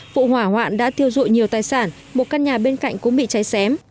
vụ hỏa hoạn đã thiêu dụi nhiều tài sản một căn nhà bên cạnh cũng bị cháy xém